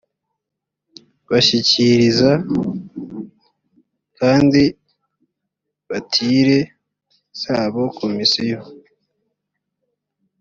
bashyikiriza kandidatire zabo komisiyo